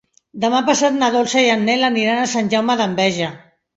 Demà passat na Dolça i en Nel aniran a Sant Jaume d'Enveja.